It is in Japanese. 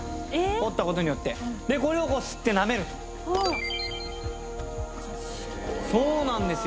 掘ったことによってでこれをこう吸ってなめるとはあ賢いわそうなんですよ